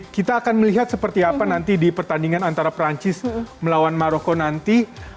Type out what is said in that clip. kita akan melihat seperti apa nanti di pertandingan antara perancis melawan maroko nanti